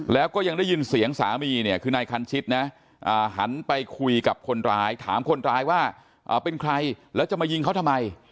แล้วก็ยังได้ยินเสียงสามีเนี่ยคือนายคันชิดนะหันไปคุยกับคนร้ายถามคนร้ายว่าเป็นใครแล้วจะมายิงเขาทำไม